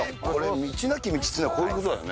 道なき道というのは、こういうことだよね。